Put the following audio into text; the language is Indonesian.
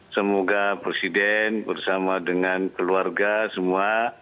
semoga presiden bersama dengan keluarga semua